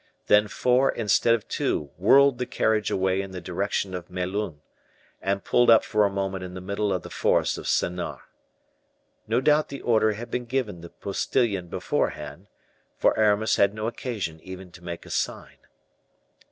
Then four instead of two whirled the carriage away in the direction of Melun, and pulled up for a moment in the middle of the forest of Senart. No doubt the order had been given the postilion beforehand, for Aramis had no occasion even to make a sign.